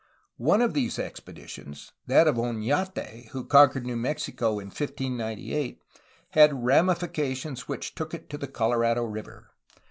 One of these expeditions, that of Onate, who conquered New Mexico in 1598, had ramifications which took it to the Colorado River.